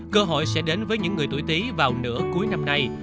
cơ hội sẽ đến với những người tuổi tí vào nửa cuối năm nay